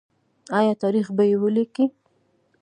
آیا تاریخ به یې ولیکي؟